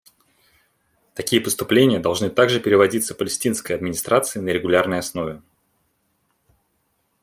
Такие поступления должны также переводиться Палестинской администрации на регулярной основе.